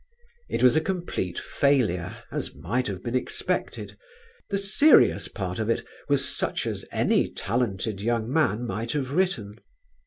It was a complete failure, as might have been expected; the serious part of it was such as any talented young man might have written.